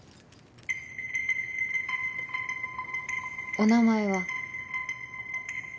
お名前は？